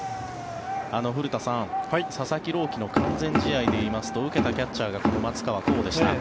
古田さん、佐々木朗希の完全試合でいいますと受けたキャッチャーがこの松川虎生でした。